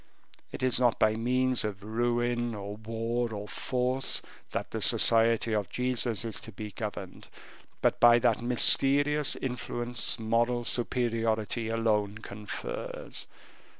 It is not by means of ruin, or war, or force, that the Society of Jesus is to be governed, but by that mysterious influence moral superiority alone confers.